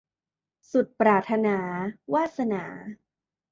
สุดปรารถนา - วาสนา